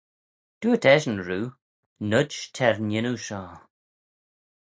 Dooyrt eshyn roo, noid t'er n'yannoo shoh.